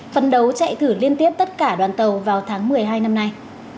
phấn đấu chạy thử liên tiếp tất cả đoàn tàu vào tháng một mươi hai năm nay